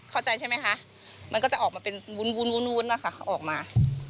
เข้าใจใช่ไหมคะมันก็จะออกมาเป็นวุ้นนะคะออกมา